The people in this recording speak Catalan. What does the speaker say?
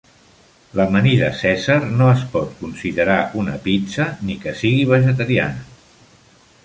L'amanida cèsar no es pot considerar una pizza ni que sigui vegetariana.